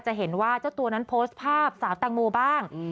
จะเห็นว่าเจ้าตัวนั้นโพสต์ภาพสาวแตงโมบ้าง